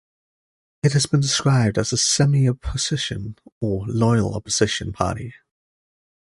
It has been described as a "semi-opposition" or "loyal opposition" party.